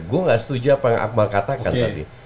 gue gak setuju apa yang akmal katakan tadi